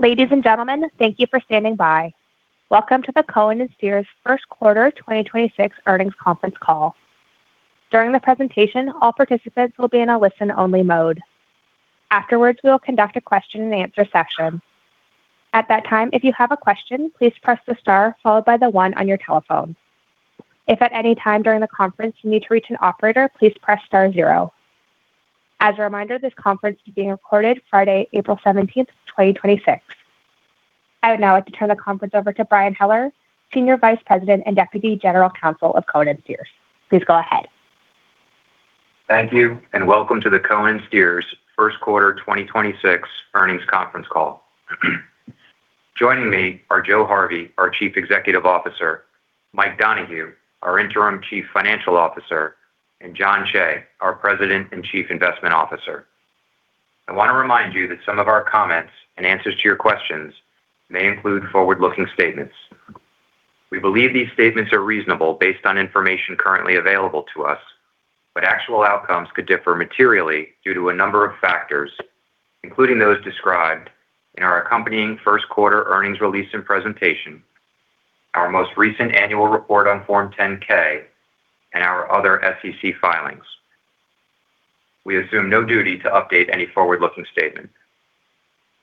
Ladies and gentlemen, thank you for standing by. Welcome to the Cohen & Steers first quarter 2026 earnings conference call. During the presentation, all participants will be in a listen-only mode. Afterwards, we will conduct a question-and-answer session. At that time, if you have a question, please press the star followed by the one on your telephone. If at any time during the conference you need to reach an operator, please press star zero. As a reminder, this conference is being recorded Friday, April 17th, 2026. I would now like to turn the conference over to Brian Heller, Senior Vice President and Deputy General Counsel of Cohen & Steers. Please go ahead. Thank you, and welcome to the Cohen & Steers first quarter 2026 earnings conference call. Joining me are Joe Harvey, our Chief Executive Officer, Mike Donohue, our Interim Chief Financial Officer, and Jon Cheigh, our President and Chief Investment Officer. I want to remind you that some of our comments in answers to your questions may include forward-looking statements. We believe these statements are reasonable based on information currently available to us, but actual outcomes could differ materially due to a number of factors, including those described in our accompanying first quarter earnings release and presentation, our most recent annual report on Form 10-K and our other SEC filings. We assume no duty to update any forward-looking statement.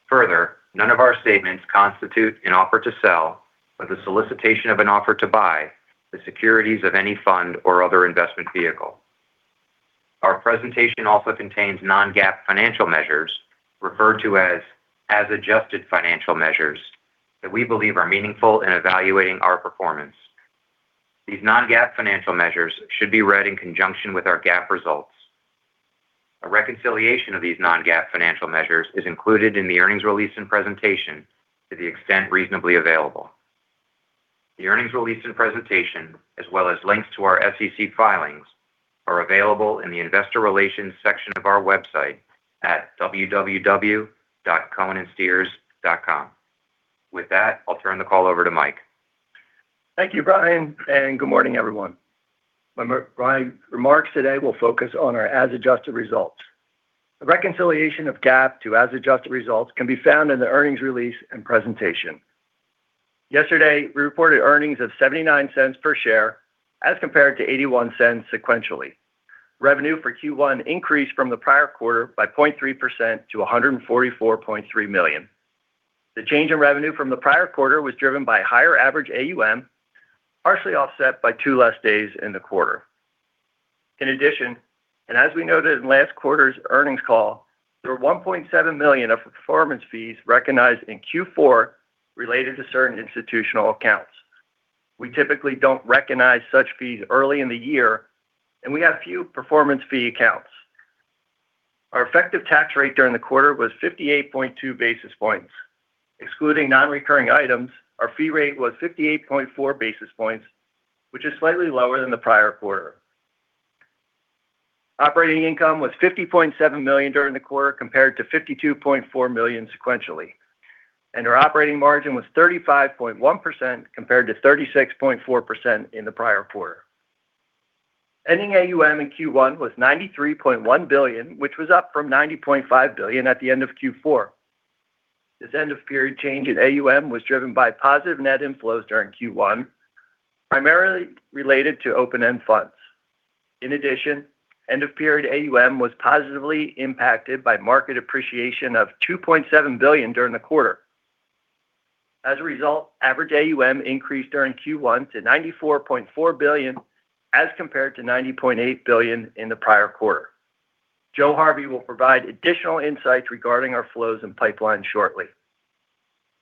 Further, none of our statements constitute an offer to sell or the solicitation of an offer to buy the securities of any fund or other investment vehicle. Our presentation also contains non-GAAP financial measures referred to as as-adjusted financial measures that we believe are meaningful in evaluating our performance. These non-GAAP financial measures should be read in conjunction with our GAAP results. A reconciliation of these non-GAAP financial measures is included in the earnings release and presentation to the extent reasonably available. The earnings release and presentation, as well as links to our SEC filings, are available in the investor relations section of our website at www.cohenandsteers.com. With that, I'll turn the call over to Mike. Thank you, Brian, and good morning, everyone. My remarks today will focus on our as-adjusted results. A reconciliation of GAAP to as-adjusted results can be found in the earnings release and presentation. Yesterday, we reported earnings of $0.79 per share as compared to $0.81 sequentially. Revenue for Q1 increased from the prior quarter by 0.3% to $144.3 million. The change in revenue from the prior quarter was driven by higher average AUM, partially offset by two less days in the quarter. In addition, as we noted in last quarter's earnings call, there were $1.7 million of performance fees recognized in Q4 related to certain institutional accounts. We typically don't recognize such fees early in the year, and we have few performance fee accounts. Our effective tax rate during the quarter was 58.2 basis points. Excluding non-recurring items, our fee rate was 58.4 basis points, which is slightly lower than the prior quarter. Operating income was $50.7 million during the quarter compared to $52.4 million sequentially, and our operating margin was 35.1% compared to 36.4% in the prior quarter. Ending AUM in Q1 was $93.1 billion, which was up from $90.5 billion at the end of Q4. This end-of-period change in AUM was driven by positive net inflows during Q1, primarily related to open-end funds. In addition, end-of-period AUM was positively impacted by market appreciation of $2.7 billion during the quarter. As a result, average AUM increased during Q1 to $94.4 billion as compared to $90.8 billion in the prior quarter. Joe Harvey will provide additional insights regarding our flows and pipeline shortly.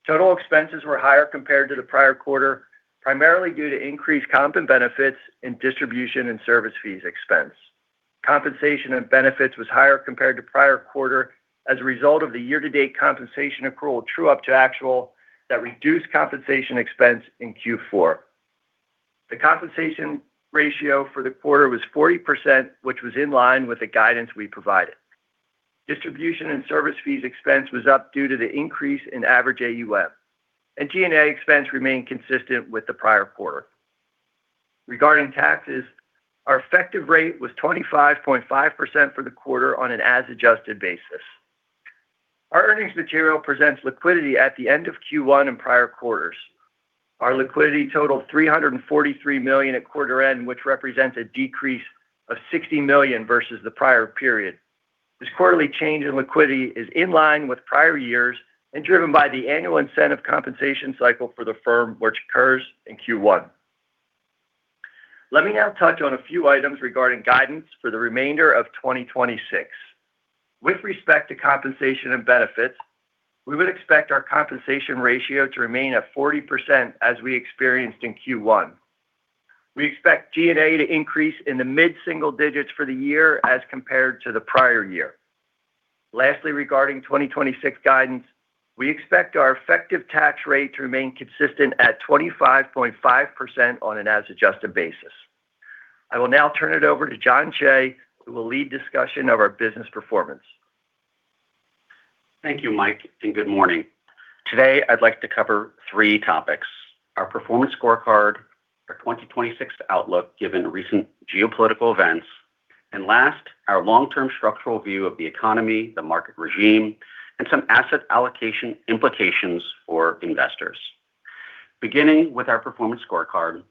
Total expenses were higher compared to the prior quarter, primarily due to increased comp and benefits and distribution and service fees expense. Compensation and benefits was higher compared to prior quarter as a result of the year-to-date compensation accrual true up to actual that reduced compensation expense in Q4. The compensation ratio for the quarter was 40%, which was in line with the guidance we provided. Distribution and service fees expense was up due to the increase in average AUM. G&A expense remained consistent with the prior quarter. Regarding taxes, our effective rate was 25.5% for the quarter on an as adjusted basis. Our earnings material presents liquidity at the end of Q1 and prior quarters. Our liquidity totaled $343 million at quarter end, which represents a decrease of $60 million versus the prior period. This quarterly change in liquidity is in line with prior years and driven by the annual incentive compensation cycle for the firm, which occurs in Q1. Let me now touch on a few items regarding guidance for the remainder of 2026. With respect to compensation and benefits, we would expect our compensation ratio to remain at 40% as we experienced in Q1. We expect G&A to increase in the mid-single digits for the year as compared to the prior year. Lastly, regarding 2026 guidance, we expect our effective tax rate to remain consistent at 25.5% on an as-adjusted basis. I will now turn it over to Jon Cheigh, who will lead discussion of our business performance. Thank you, Mike, and good morning. Today, I'd like to cover three topics: our performance scorecard, our 2026 outlook given recent geopolitical events and last, our long-term structural view of the economy, the market regime, and some asset allocation implications for investors. Beginning with our performance scorecard,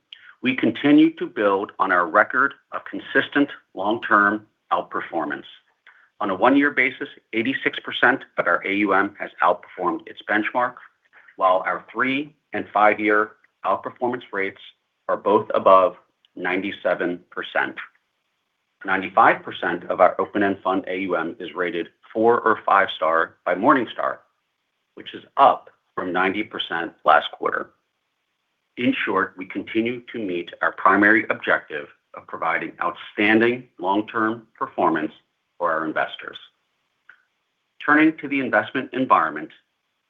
we continue to build on our record of consistent long-term outperformance. On a one-year basis, 86% of our AUM has outperformed its benchmark, while our three and five-year outperformance rates are both above 97%. 95% of our open-end fund AUM is rated four or five-star by Morningstar, which is up from 90% last quarter. In short, we continue to meet our primary objective of providing outstanding long-term performance for our investors. Turning to the investment environment,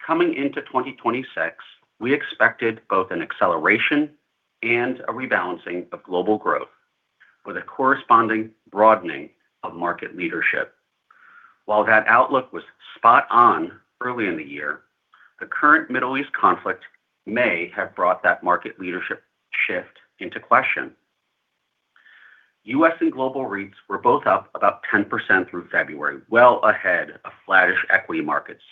coming into 2026, we expected both an acceleration and a rebalancing of global growth with a corresponding broadening of market leadership. While that outlook was spot on early in the year, the current Middle East conflict may have brought that market leadership shift into question. U.S. and global REITs were both up about 10% through February, well ahead of flattish equity markets,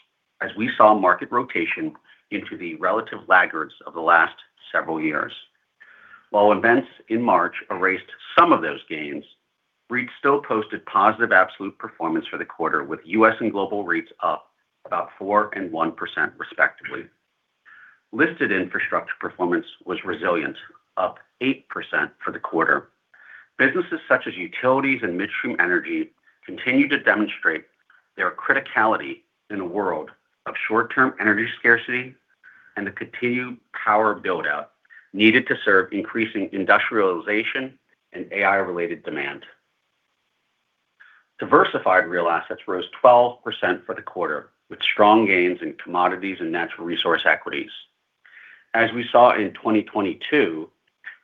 as we saw market rotation into the relative laggards of the last several years. While events in March erased some of those gains, REITs still posted positive absolute performance for the quarter, with U.S. and global REITs up about 4% and 1%, respectively. Listed infrastructure performance was resilient, up 8% for the quarter. Businesses such as utilities and midstream energy continue to demonstrate their criticality in a world of short-term energy scarcity and the continued power build-out needed to serve increasing industrialization and AI-related demand. Diversified real assets rose 12% for the quarter, with strong gains in commodities and natural resource equities. As we saw in 2022,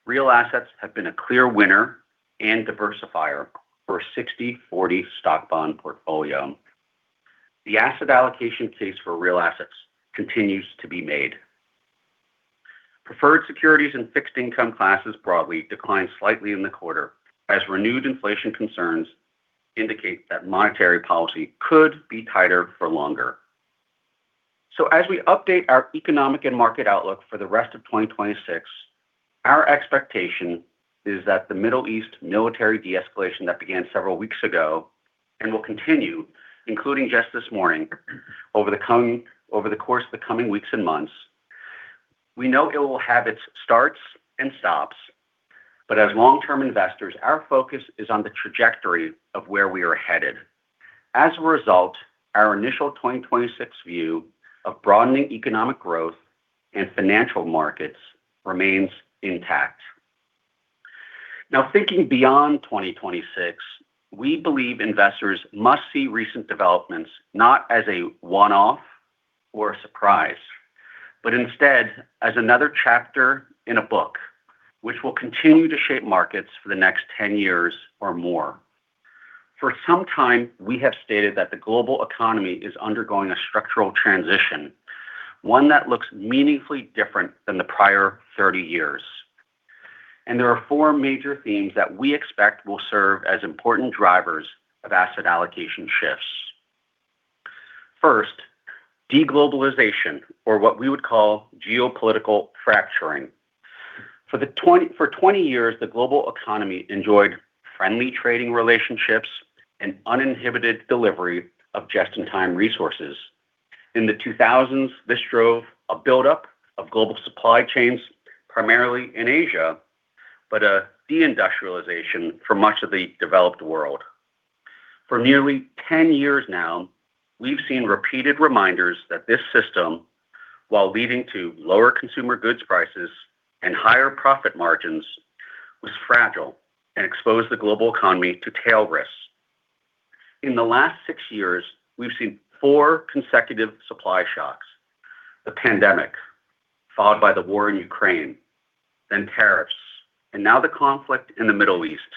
real assets have been a clear winner and diversifier for a 60/40 stock-bond portfolio. The asset allocation case for real assets continues to be made. Preferred securities and fixed income classes broadly declined slightly in the quarter, as renewed inflation concerns indicate that monetary policy could be tighter for longer. As we update our economic and market outlook for the rest of 2026, our expectation is that the Middle East military de-escalation that began several weeks ago and will continue, including just this morning, over the course of the coming weeks and months. We know it will have its starts and stops, but as long-term investors, our focus is on the trajectory of where we are headed. As a result, our initial 2026 view of broadening economic growth and financial markets remains intact. Now, thinking beyond 2026, we believe investors must see recent developments not as a one-off or a surprise, but instead as another chapter in a book which will continue to shape markets for the next 10 years or more. For some time, we have stated that the global economy is undergoing a structural transition, one that looks meaningfully different than the prior 30 years, and there are four major themes that we expect will serve as important drivers of asset allocation shifts. First, de-globalization, or what we would call geopolitical fracturing. For 20 years, the global economy enjoyed friendly trading relationships and uninhibited delivery of just-in-time resources. In the 2000s, this drove a build-up of global supply chains primarily in Asia, but a de-industrialization for much of the developed world. For nearly 10 years now, we've seen repeated reminders that this system, while leading to lower consumer goods prices and higher profit margins, was fragile and exposed the global economy to tail risks. In the last six years, we've seen four consecutive supply shocks, the pandemic, followed by the war in Ukraine, then tariffs, and now the conflict in the Middle East.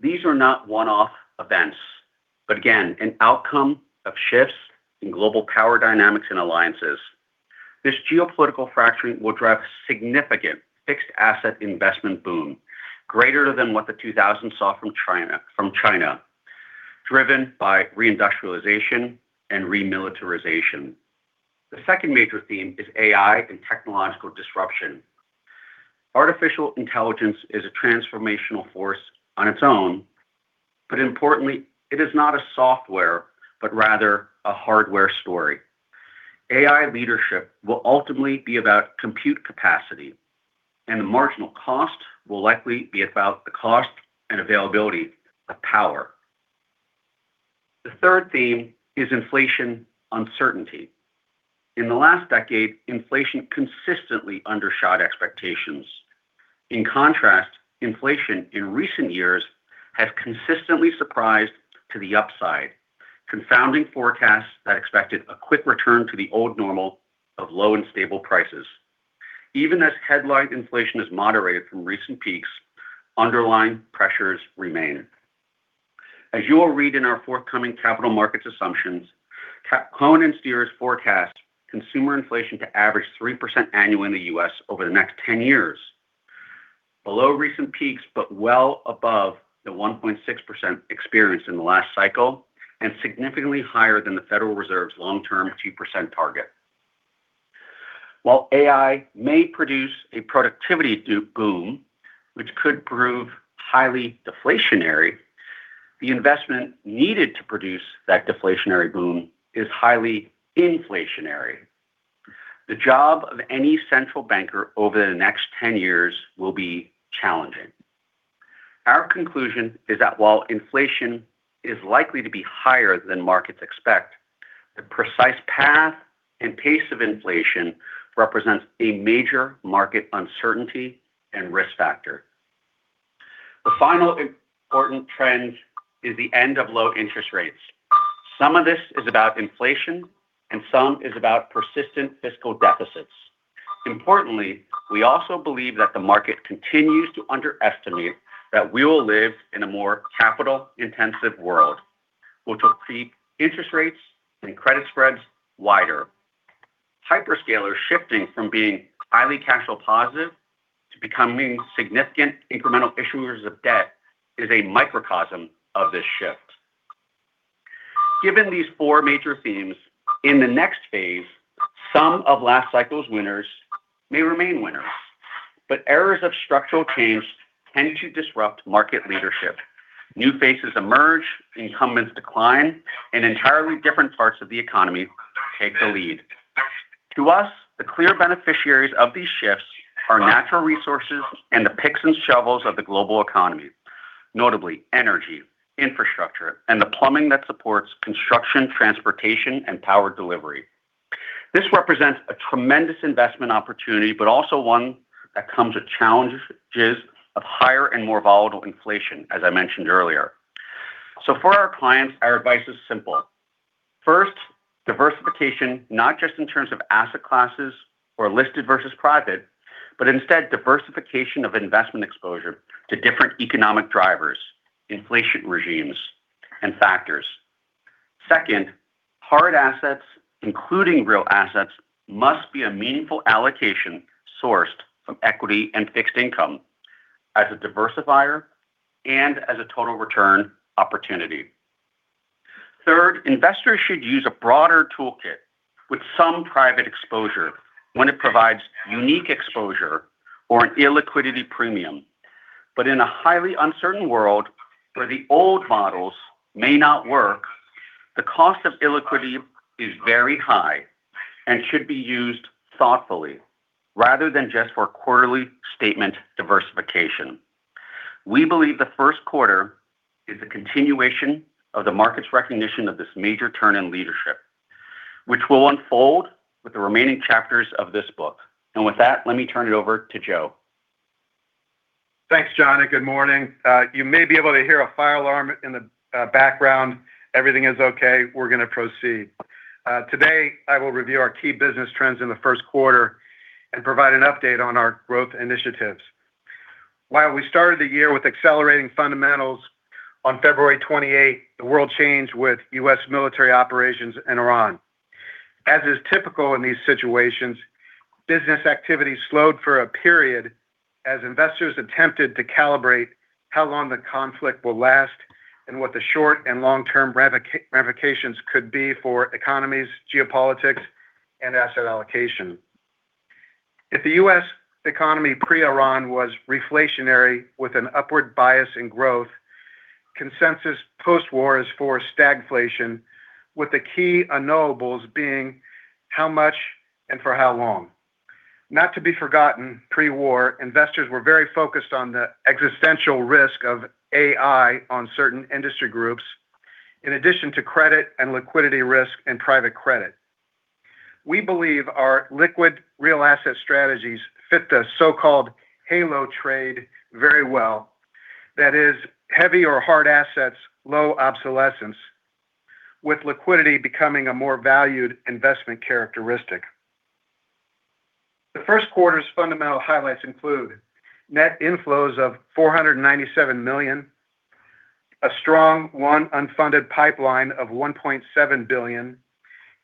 These are not one-off events, but again, an outcome of shifts in global power dynamics and alliances. This geopolitical fracturing will drive a significant fixed asset investment boom, greater than what the 2000s saw from China, driven by reindustrialization and remilitarization. The second major theme is AI and technological disruption. Artificial intelligence is a transformational force on its own, but importantly, it is not a software, but rather a hardware story. AI leadership will ultimately be about compute capacity, and the marginal cost will likely be about the cost and availability of power. The third theme is inflation uncertainty. In the last decade, inflation consistently undershot expectations. In contrast, inflation in recent years has consistently surprised to the upside, confounding forecasts that expected a quick return to the old normal of low and stable prices. Even as headline inflation has moderated from recent peaks, underlying pressures remain. As you will read in our forthcoming Capital Market Assumptions, Cohen & Steers forecasts consumer inflation to average 3% annually in the U.S. over the next 10 years. Below recent peaks, but well above the 1.6% experienced in the last cycle, and significantly higher than the Federal Reserve's long-term 2% target. While AI may produce a productivity boom, which could prove highly deflationary, the investment needed to produce that deflationary boom is highly inflationary. The job of any central banker over the next 10 years will be challenging. Our conclusion is that while inflation is likely to be higher than markets expect, the precise path and pace of inflation represents a major market uncertainty and risk factor. The final important trend is the end of low interest rates. Some of this is about inflation, and some is about persistent fiscal deficits. Importantly, we also believe that the market continues to underestimate that we will live in a more capital-intensive world, which will keep interest rates and credit spreads wider. Hyperscalers shifting from being highly cash positive to becoming significant incremental issuers of debt is a microcosm of this shift. Given these four major themes, in the next phase, some of last cycle's winners may remain winners, but era of structural change tend to disrupt market leadership. New faces emerge, incumbents decline, and entirely different parts of the economy take the lead. To us, the clear beneficiaries of these shifts are natural resources and the picks and shovels of the global economy, notably energy, infrastructure, and the plumbing that supports construction, transportation, and power delivery. This represents a tremendous investment opportunity, but also one that comes with challenges of higher and more volatile inflation, as I mentioned earlier. For our clients, our advice is simple. First, diversification, not just in terms of asset classes or listed versus private, but instead diversification of investment exposure to different economic drivers, inflation regimes, and factors. Second, hard assets, including real assets, must be a meaningful allocation sourced from equity and fixed income as a diversifier and as a total return opportunity. Third, investors should use a broader toolkit with some private exposure when it provides unique exposure or an illiquidity premium. In a highly uncertain world where the old models may not work, the cost of illiquidity is very high and should be used thoughtfully rather than just for quarterly statement diversification. We believe the first quarter is a continuation of the market's recognition of this major turn in leadership, which will unfold with the remaining chapters of this book. With that, let me turn it over to Joe. Thanks, Jon, and good morning. You may be able to hear a fire alarm in the background. Everything is okay. We're going to proceed. Today, I will review our key business trends in the first quarter and provide an update on our growth initiatives. While we started the year with accelerating fundamentals, on February 28th, the world changed with U.S. military operations in Iran. As is typical in these situations, business activity slowed for a period as investors attempted to calibrate how long the conflict will last and what the short and long-term ramifications could be for economies, geopolitics, and asset allocation. If the U.S. economy pre-Iran was reflationary with an upward bias in growth, consensus post-war is for stagflation with the key unknowables being how much and for how long. Not to be forgotten pre-war, investors were very focused on the existential risk of AI on certain industry groups, in addition to credit and liquidity risk and private credit. We believe our liquid real asset strategies fit the so-called HALO trade very well. That is, heavy or hard assets, low obsolescence, with liquidity becoming a more valued investment characteristic. The first quarter's fundamental highlights include net inflows of $497 million, a strong unfunded pipeline of $1.7 billion,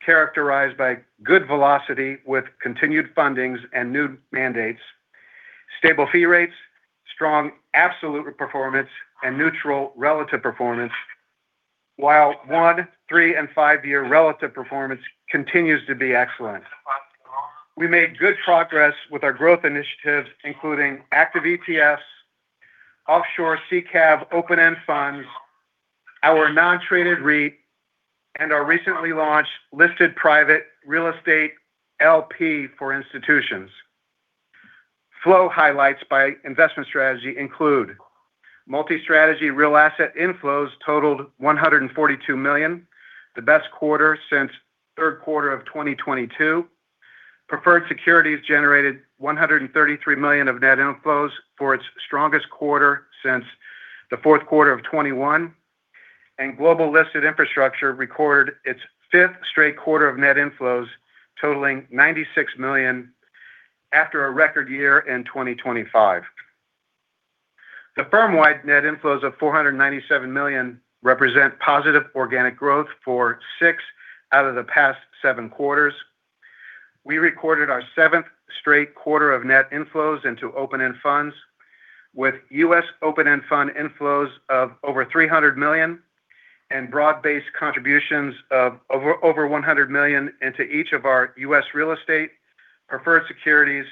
characterized by good velocity with continued fundings and new mandates, stable fee rates, strong absolute performance, and neutral relative performance, while one, three, and five-year relative performance continues to be excellent. We made good progress with our growth initiatives, including active ETFs, offshore CCAV open-end funds, our non-traded REIT, and our recently launched listed private real estate LP for institutions. Flow highlights by investment strategy include multi-strategy real assets inflows totaled $142 million, the best quarter since third quarter of 2022. Preferred securities generated $133 million of net inflows for its strongest quarter since the fourth quarter of 2021. Global listed infrastructure recorded its fifth straight quarter of net inflows, totaling $96 million after a record year in 2025. The firm-wide net inflows of $497 million represent positive organic growth for six out of the past seven quarters. We recorded our seventh straight quarter of net inflows into open-end funds, with U.S. open-end fund inflows of over $300 million, and broad-based contributions of over $100 million into each of our U.S. real estate, preferred securities,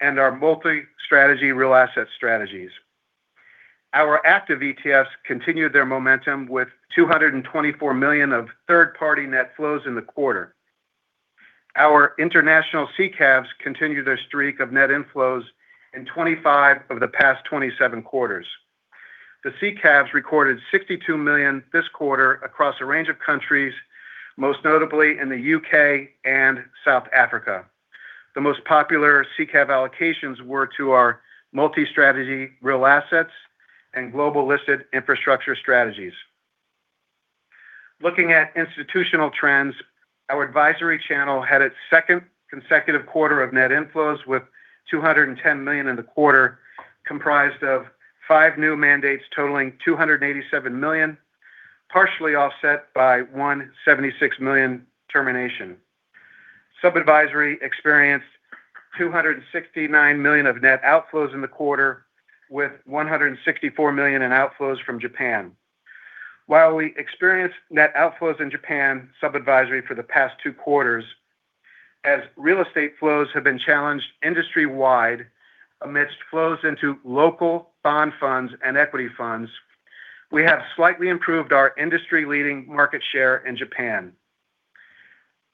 and our multi-strategy real assets strategies. Our active ETFs continued their momentum with $224 million of third-party net flows in the quarter. Our international CCAVs continued their streak of net inflows in 25 of the past 27 quarters. The CCAVs recorded $62 million this quarter across a range of countries, most notably in the U.K. and South Africa. The most popular CCAV allocations were to our multi-strategy real assets and global listed infrastructure strategies. Looking at institutional trends, our advisory channel had its second consecutive quarter of net inflows, with $210 million in the quarter, comprised of five new mandates totaling $287 million, partially offset by $176 million termination. Sub-advisory experienced $269 million of net outflows in the quarter, with $164 million in outflows from Japan. While we experienced net outflows in Japan sub-advisory for the past two quarters, as real estate flows have been challenged industry-wide amidst flows into local bond funds and equity funds, we have slightly improved our industry-leading market share in Japan.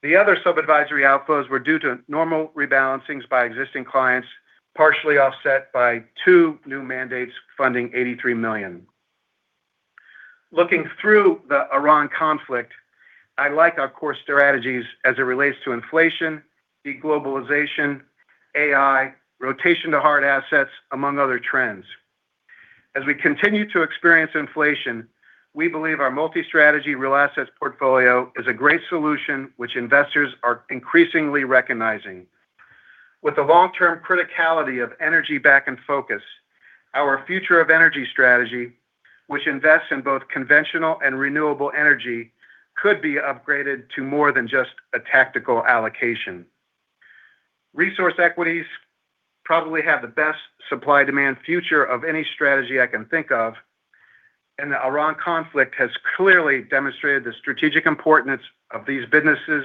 The other sub-advisory outflows were due to normal rebalancings by existing clients, partially offset by two new mandates funding $83 million. Looking through the Iran conflict, I like our core strategies as it relates to inflation, de-globalization, AI, rotation to hard assets, among other trends. As we continue to experience inflation, we believe our multi-strategy real assets portfolio is a great solution which investors are increasingly recognizing. With the long-term criticality of energy back in focus, our Future of Energy strategy, which invests in both conventional and renewable energy, could be upgraded to more than just a tactical allocation. Resource equities probably have the best supply-demand future of any strategy I can think of, and the Iran conflict has clearly demonstrated the strategic importance of these businesses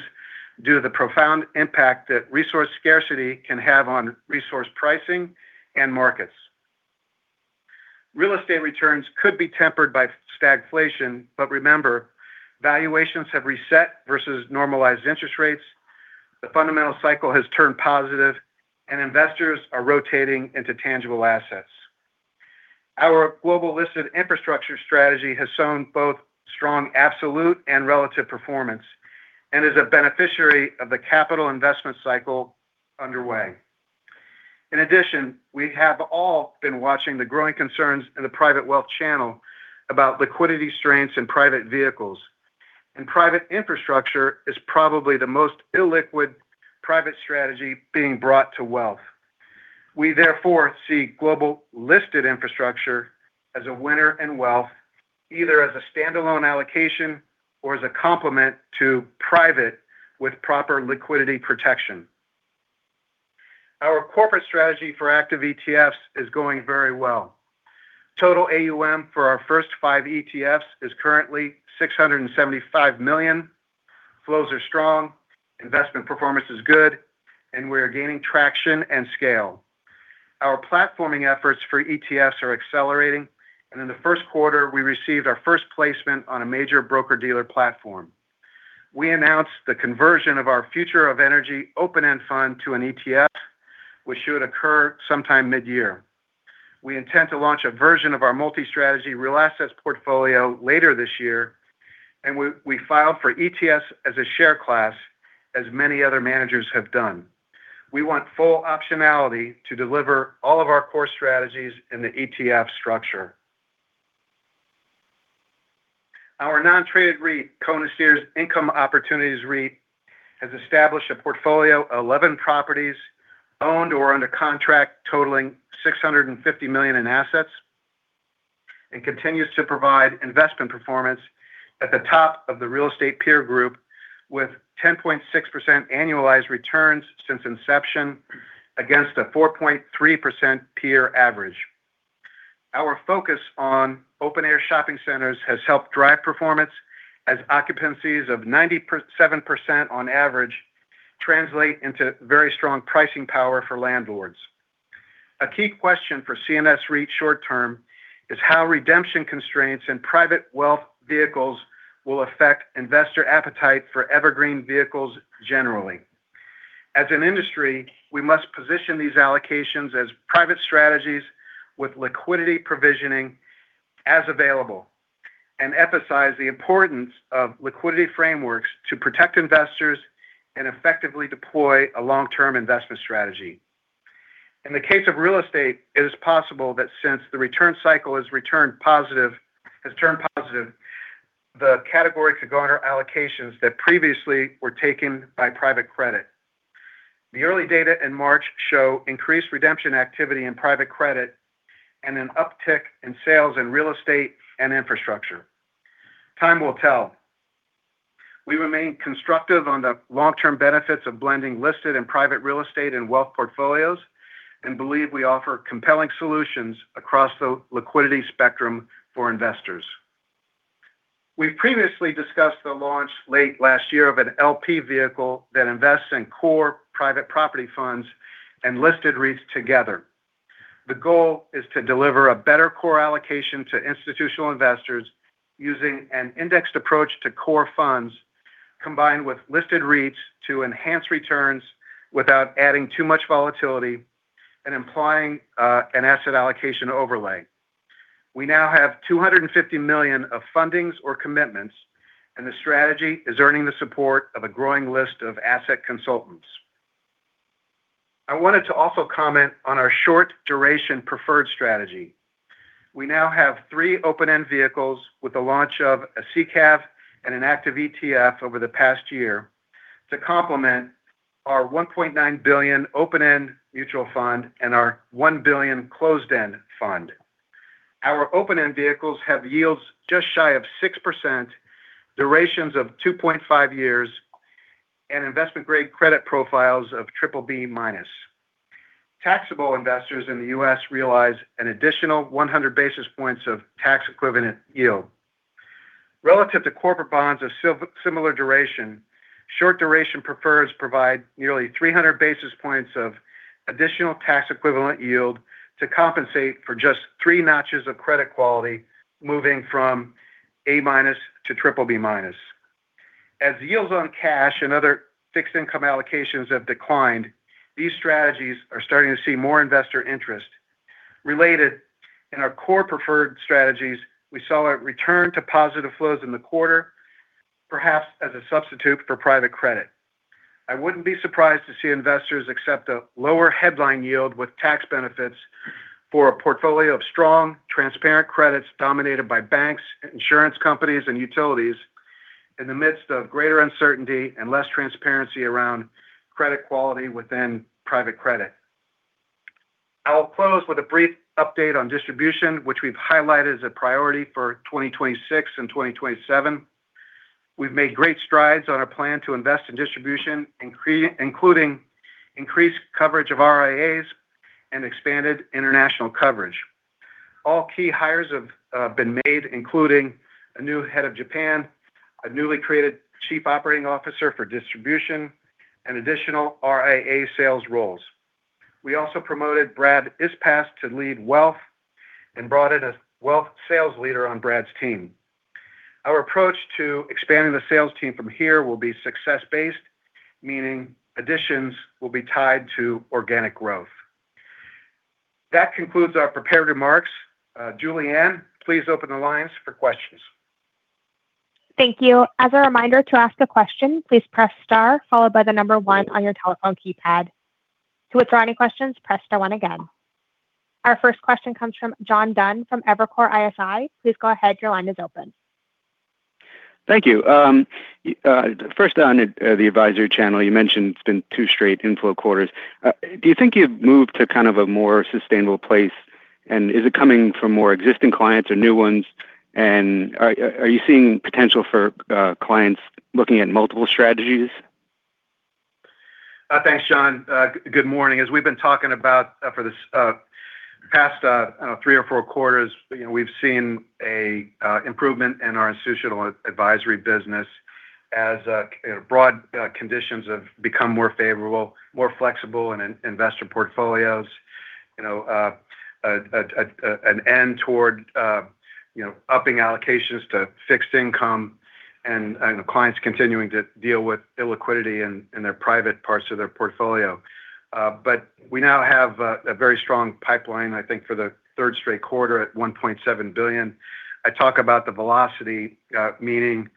due to the profound impact that resource scarcity can have on resource pricing and markets. Real estate returns could be tempered by stagflation, but remember, valuations have reset versus normalized interest rates, the fundamental cycle has turned positive, and investors are rotating into tangible assets. Our Global Listed Infrastructure strategy has shown both strong absolute and relative performance and is a beneficiary of the capital investment cycle underway. In addition, we have all been watching the growing concerns in the private wealth channel about liquidity risks in private vehicles, and private infrastructure is probably the most illiquid private strategy being brought to wealth. We therefore see Global Listed Infrastructure as a winner in wealth, either as a standalone allocation or as a complement to private with proper liquidity protection. Our corporate strategy for Active ETFs is going very well. Total AUM for our first five ETFs is currently $675 million. Flows are strong, investment performance is good, and we are gaining traction and scale. Our platforming efforts for ETFs are accelerating, and in the first quarter, we received our first placement on a major broker-dealer platform. We announced the conversion of our Future of Energy open-end fund to an ETF, which should occur sometime mid-year. We intend to launch a version of our multi-strategy real assets portfolio later this year, and we filed for ETFs as a share class, as many other managers have done. We want full optionality to deliver all of our core strategies in the ETF structure. Our non-traded REIT, Cohen & Steers Income Opportunities REIT, has established a portfolio of 11 properties owned or under contract totaling $650 million in assets and continues to provide investment performance at the top of the real estate peer group with 10.6% annualized returns since inception against a 4.3% peer average. Our focus on open-air shopping centers has helped drive performance as occupancies of 97% on average translate into very strong pricing power for landlords. A key question for Cohen & Steers REIT short-term is how redemption constraints and private wealth vehicles will affect investor appetite for evergreen vehicles generally. As an industry, we must position these allocations as private strategies with liquidity provisioning as available and emphasize the importance of liquidity frameworks to protect investors and effectively deploy a long-term investment strategy. In the case of real estate, it is possible that since the return cycle has turned positive, the category could garner allocations that previously were taken by private credit. The early data in March show increased redemption activity in private credit and an uptick in sales in real estate and infrastructure. Time will tell. We remain constructive on the long-term benefits of blending listed and private real estate and wealth portfolios and believe we offer compelling solutions across the liquidity spectrum for investors. We previously discussed the launch late last year of an LP vehicle that invests in core private property funds and listed REITs together. The goal is to deliver a better core allocation to institutional investors using an indexed approach to core funds combined with listed REITs to enhance returns without adding too much volatility and implying an asset allocation overlay. We now have $250 million of fundings or commitments, and the strategy is earning the support of a growing list of asset consultants. I wanted to also comment on our short duration preferred strategy. We now have three open-end vehicles with the launch of a CCF and an active ETF over the past year to complement our $1.9 billion open-end mutual fund and our $1 billion closed-end fund. Our open-end vehicles have yields just shy of 6%, durations of 2.5 years, and investment-grade credit profiles of BBB-. Taxable investors in the U.S. realize an additional 100 basis points of tax-equivalent yield. Relative to corporate bonds of similar duration, short duration preferreds provide nearly 300 basis points of additional tax-equivalent yield to compensate for just three notches of credit quality, moving from A- to BBB-. As yields on cash and other fixed income allocations have declined, these strategies are starting to see more investor interest. Related, in our core preferred strategies, we saw a return to positive flows in the quarter, perhaps as a substitute for private credit. I wouldn't be surprised to see investors accept a lower headline yield with tax benefits for a portfolio of strong, transparent credits dominated by banks, insurance companies, and utilities in the midst of greater uncertainty and less transparency around credit quality within private credit. I'll close with a brief update on distribution, which we've highlighted as a priority for 2026 and 2027. We've made great strides on our plan to invest in distribution, including increased coverage of RIAs and expanded international coverage. All key hires have been made, including a new head of Japan, a newly created chief operating officer for distribution, and additional RIA sales roles. We also promoted Brad Ispass to lead wealth and brought in a wealth sales leader on Brad's team. Our approach to expanding the sales team from here will be success-based, meaning additions will be tied to organic growth. That concludes our prepared remarks. Julianne, please open the lines for questions. Thank you. As a reminder to ask a question, please press star followed by the number one on your telephone keypad. To withdraw any questions, press star one again. Our first question comes from John Dunn from Evercore ISI. Please go ahead. Your line is open. Thank you. First on the advisory channel, you mentioned it's been two straight inflow quarters. Do you think you've moved to kind of a more sustainable place? Is it coming from more existing clients or new ones? Are you seeing potential for clients looking at multiple strategies? Thanks, John. Good morning. As we've been talking about for the past three or four quarters, we've seen an improvement in our institutional advisory business as broad conditions have become more favorable, more flexible in investor portfolios, a trend toward upping allocations to fixed income and clients continuing to deal with illiquidity in their private portions of their portfolio. We now have a very strong pipeline, I think, for the third straight quarter at $1.7 billion. I talk about the velocity, meaning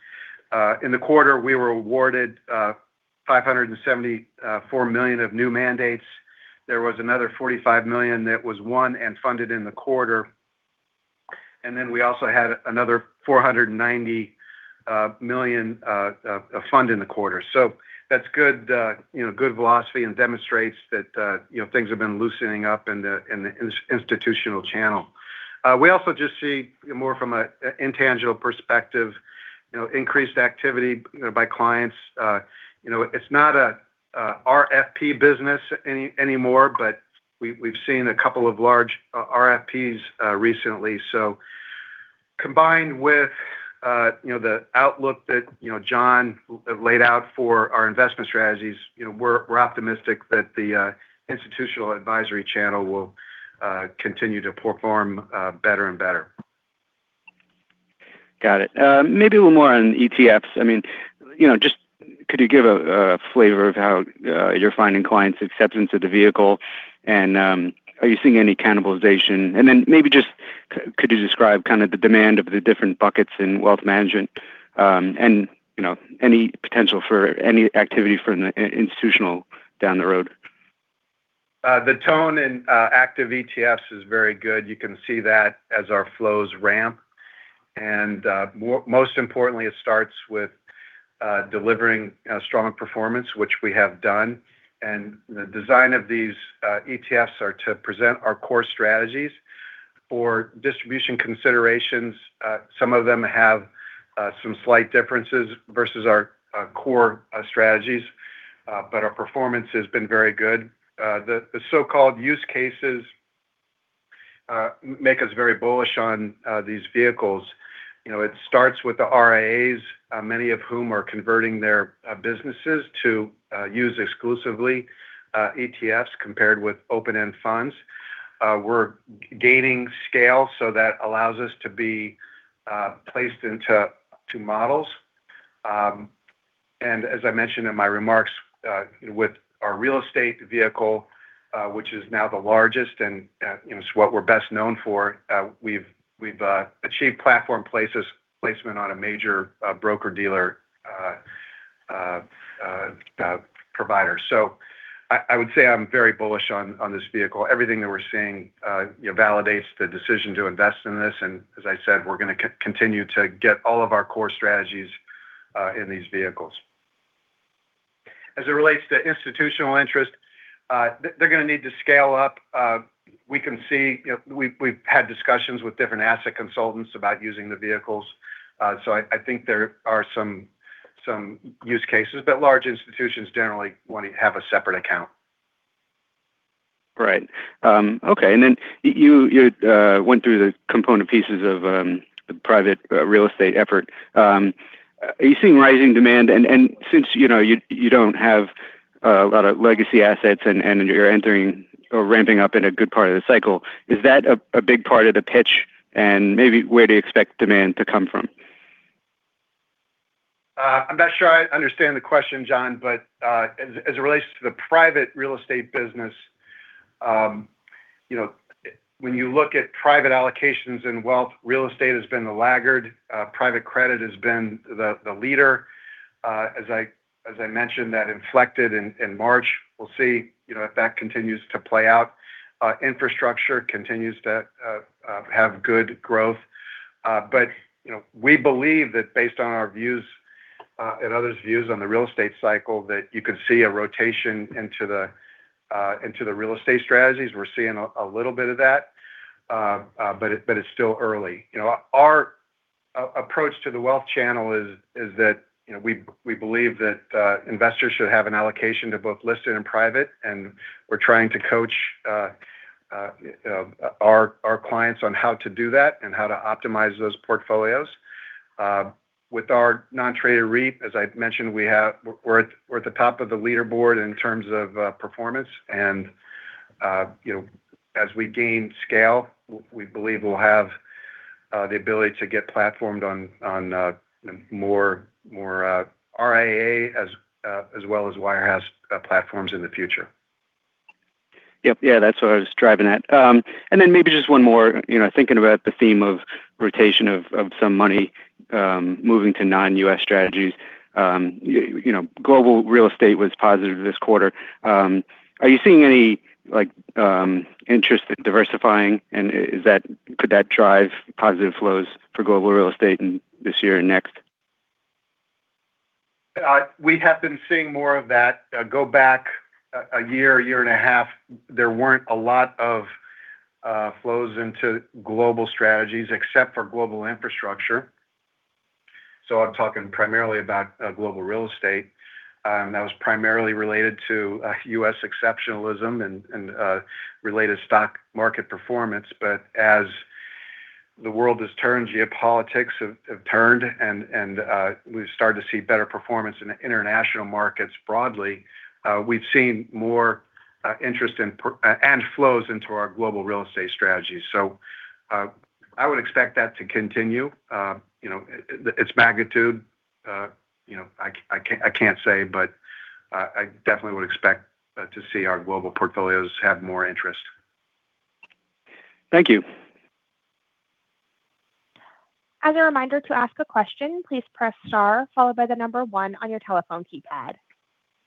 in the quarter, we were awarded $574 million of new mandates. There was another $45 million that was won and funded in the quarter. Then we also had another $490 million funded in the quarter. That's good velocity and demonstrates that things have been loosening up in the institutional channel. We also just see more from an intangible perspective, increased activity by clients. It's not a RFP business anymore, but we've seen a couple of large RFPs recently. Combined with the outlook that Jon laid out for our investment strategies, we're optimistic that the institutional advisory channel will continue to perform better and better. Got it. Maybe a little more on ETFs. Just could you give a flavor of how you're finding clients' acceptance of the vehicle, and are you seeing any cannibalization? Maybe just could you describe the demand of the different buckets in wealth management and any potential for any activity for institutional down the road? The tone in active ETFs is very good. You can see that as our flows ramp. Most importantly, it starts with delivering strong performance, which we have done. The design of these ETFs are to present our core strategies for distribution considerations. Some of them have some slight differences versus our core strategies. Our performance has been very good. The so-called use cases make us very bullish on these vehicles. It starts with the RIA, many of whom are converting their businesses to use exclusively ETFs compared with open-end funds. We're gaining scale, so that allows us to be placed into two models. As I mentioned in my remarks, with our real estate vehicle, which is now the largest and it's what we're best known for, we've achieved platform placement on a major broker-dealer provider. I would say I'm very bullish on this vehicle. Everything that we're seeing validates the decision to invest in this, and as I said, we're going to continue to get all of our core strategies in these vehicles. As it relates to institutional interest, they're going to need to scale up. We've had discussions with different asset consultants about using the vehicles. I think there are some use cases, but large institutions generally want to have a separate account. Right. Okay, and then you went through the component pieces of the private real estate effort. Are you seeing rising demand? Since you don't have a lot of legacy assets and you're entering or ramping up in a good part of the cycle, is that a big part of the pitch and maybe where do you expect demand to come from? I'm not sure I understand the question, John, but as it relates to the private real estate business, when you look at private allocations in wealth, real estate has been the laggard. Private credit has been the leader. As I mentioned, that inflected in March. We'll see if that continues to play out. Infrastructure continues to have good growth. But we believe that based on our views and others' views on the real estate cycle, that you could see a rotation into the real estate strategies. We're seeing a little bit of that, but it's still early. Our approach to the wealth channel is that we believe that investors should have an allocation to both listed and private, and we're trying to coach our clients on how to do that and how to optimize those portfolios. With our non-traded REIT, as I've mentioned, we're at the top of the leaderboard in terms of performance. As we gain scale, we believe we'll have the ability to get platformed on more RIAs as well as Wirehouse platforms in the future. Yep. Yeah, that's what I was driving at. Maybe just one more, thinking about the theme of rotation of some money moving to non-U.S. strategies. Global real estate was positive this quarter. Are you seeing any interest in diversifying, and could that drive positive flows for global real estate this year and next? We have been seeing more of that. Go back a year, a year and a half, there weren't a lot of flows into global strategies except for global infrastructure. I'm talking primarily about global real estate. That was primarily related to U.S. exceptionalism and related stock market performance. As the world has turned, geopolitics have turned, and we've started to see better performance in the international markets broadly. We've seen more interest and flows into our global real estate strategies. I would expect that to continue. Its magnitude, I can't say, but I definitely would expect to see our global portfolios have more interest. Thank you. As a reminder, to ask a question, please press star followed by the number one on your telephone keypad.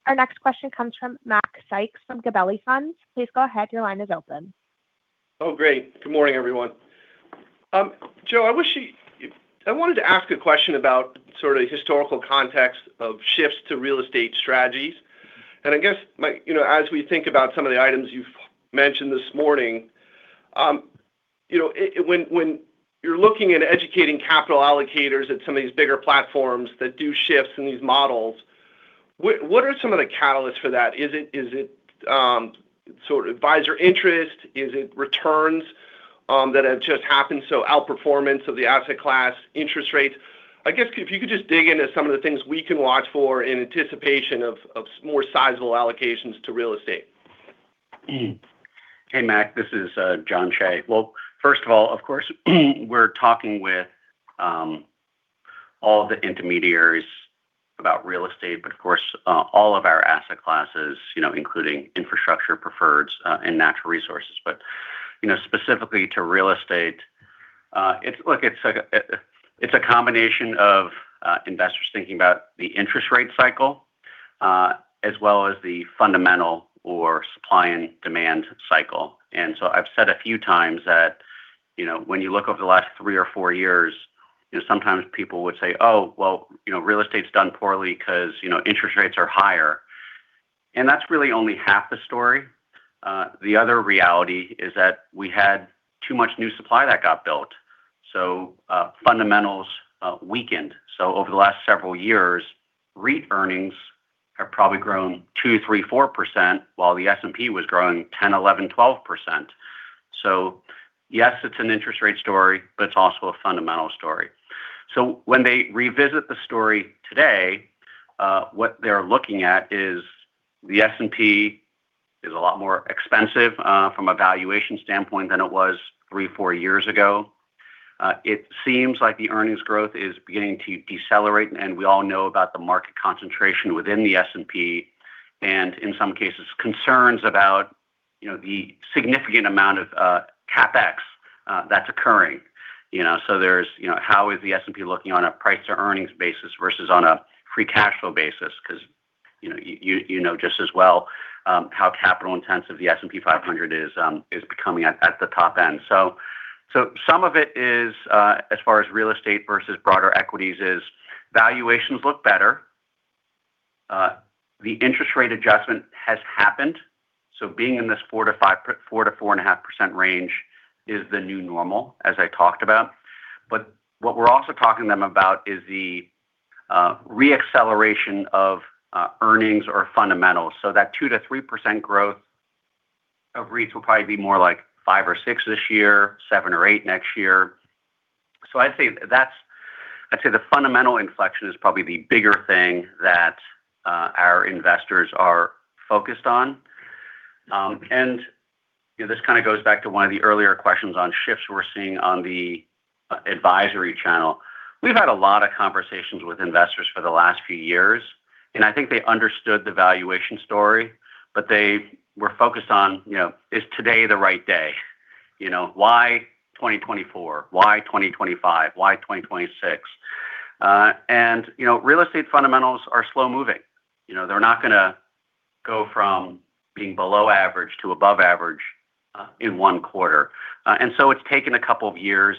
Our next question comes from Macrae Sykes from Gabelli Funds. Please go ahead, your line is open. Oh, great. Good morning, everyone. Joe, I wanted to ask a question about sort of historical context of shifts to real estate strategies. I guess, as we think about some of the items you've mentioned this morning, when you're looking at educating capital allocators at some of these bigger platforms that do shifts in these models, what are some of the catalysts for that? Is it sort of advisor interest? Is it returns that have just happened? Out-performance of the asset class, interest rates. I guess, if you could just dig into some of the things we can watch for in anticipation of more sizable allocations to real estate. Hey, Macrae. This is Jon Cheigh. Well, first of all, of course, we're talking with all of the intermediaries about real estate, but of course, all of our asset classes, including infrastructure preferred and natural resources. Specifically to real estate. Look, it's a combination of investors thinking about the interest rate cycle as well as the fundamental or supply and demand cycle. I've said a few times that when you look over the last three or four years, sometimes people would say, oh, well, real estate's done poorly because interest rates are higher. That's really only half the story. The other reality is that we had too much new supply that got built, so fundamentals weakened. Over the last several years, REIT earnings have probably grown 2%, 3%, 4%, while the S&P was growing 10%, 11%, 12%. Yes, it's an interest rate story, but it's also a fundamental story. When they revisit the story today, what they're looking at is the S&P is a lot more expensive from a valuation standpoint than it was three, four years ago. It seems like the earnings growth is beginning to decelerate, and we all know about the market concentration within the S&P, and in some cases, concerns about the significant amount of CapEx that's occurring. There's, how is the S&P looking on a price to earnings basis versus on a free cash flow basis? Because you know just as well how capital-intensive the S&P 500 is becoming at the top end. Some of it is as far as real estate versus broader equities is valuations look better. The interest rate adjustment has happened, so being in this 4%-4.5% range is the new normal, as I talked about. What we're also talking to them about is the re-acceleration of earnings or fundamentals. That 2%-3% growth of REITs will probably be more like 5% or 6% this year, 7% or 8% next year. I'd say the fundamental inflection is probably the bigger thing that our investors are focused on. This kind of goes back to one of the earlier questions on shifts we're seeing on the advisory channel. We've had a lot of conversations with investors for the last few years, and I think they understood the valuation story, but they were focused on, is today the right day? Why 2024? Why 2025? Why 2026? Real estate fundamentals are slow-moving. They're not going to go from being below average to above average in one quarter. It's taken a couple of years.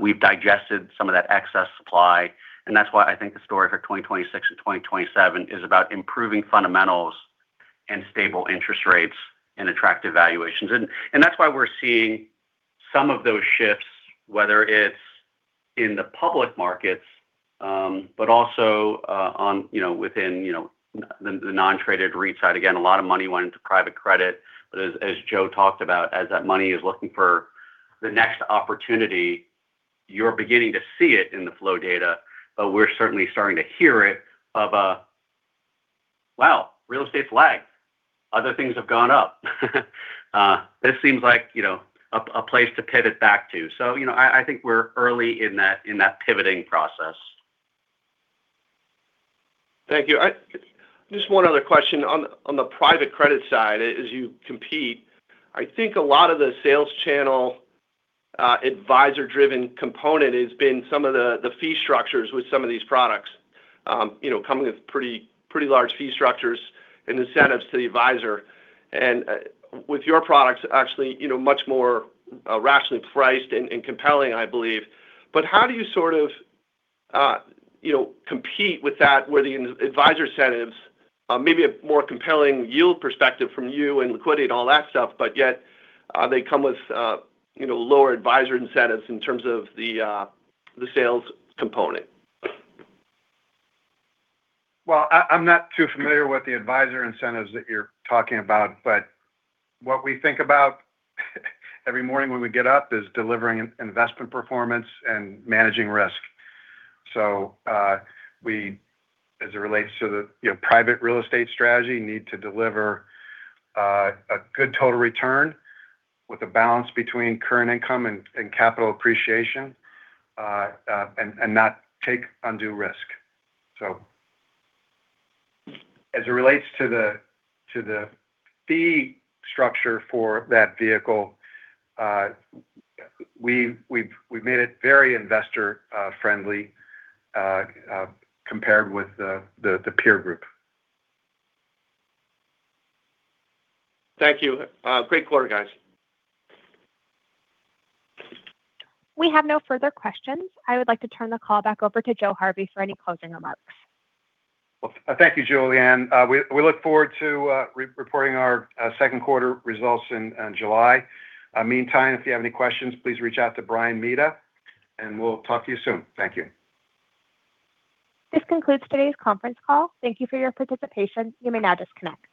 We've digested some of that excess supply, and that's why I think the story for 2026 and 2027 is about improving fundamentals and stable interest rates and attractive valuations. That's why we're seeing some of those shifts, whether it's in the public markets, but also within the non-traded REIT side. Again, a lot of money went into private credit. As Joe Harvey talked about, as that money is looking for the next opportunity, you're beginning to see it in the flow data. We're certainly starting to hear it of a, wow, real estate's lagged. Other things have gone up. This seems like a place to pivot back to. I think we're early in that pivoting process. Thank you. Just one other question. On the private credit side as you compete, I think a lot of the sales channel advisor-driven component has been some of the fee structures with some of these products coming with pretty large fee structures and incentives to the advisor. With your products actually much more rationally priced and compelling, I believe. How do you sort of compete with that where the advisor incentives may be a more compelling yield perspective from you and liquidity and all that stuff, but yet they come with lower advisor incentives in terms of the sales component? Well, I'm not too familiar with the advisor incentives that you're talking about, but what we think about every morning when we get up is delivering investment performance and managing risk. As it relates to the private real estate strategy, we need to deliver a good total return with a balance between current income and capital appreciation, and not take undue risk. As it relates to the fee structure for that vehicle, we've made it very investor-friendly compared with the peer group. Thank you. Great quarter, guys. We have no further questions. I would like to turn the call back over to Joe Harvey for any closing remarks. Well, thank you, Julianne. We look forward to reporting our second quarter results in July. Meantime, if you have any questions, please reach out to Brian Heller, and we'll talk to you soon. Thank you. This concludes today's conference call. Thank you for your participation. You may now disconnect.